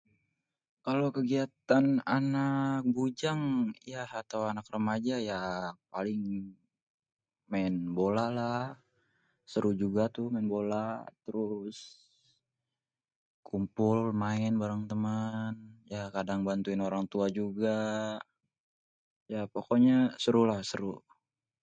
Kalau kegiatan anak bujang ya atau anak remaja ya paling maen bola lah, seru juga tuh main bola terus kumpul main barêng têmen, ya kadang bantuin orang tua juga, ya pokoknya serulah seru.